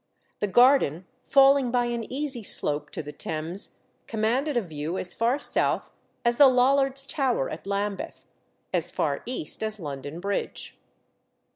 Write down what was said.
The garden, falling by an easy slope to the Thames, commanded a view as far south as the Lollards' Tower at Lambeth, as far east as London Bridge.